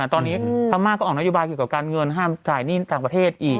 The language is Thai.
ตอนนี้พม่าก็ออกนโยบายเกี่ยวกับการเงินห้ามจ่ายหนี้ต่างประเทศอีก